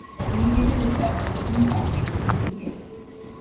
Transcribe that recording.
The initiative is called Open Cascade Community Edition.